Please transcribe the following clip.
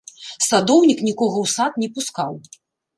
Садоўнік нікога ў сад не пускаў.